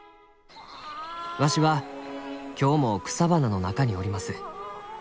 わしは今日も草花の中におります」。